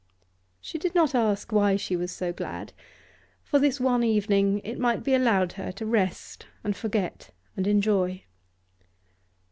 She did not ask why she was so glad; for this one evening it might be allowed her to rest and forget and enjoy.